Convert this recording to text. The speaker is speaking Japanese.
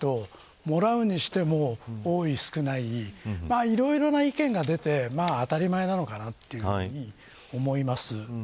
もらうにしても、多い少ないいろいろな意見が出て当たり前なのかなというふうに思います。